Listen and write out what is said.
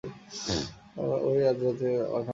ও-ই আজ রাতে এখানে থাকবে।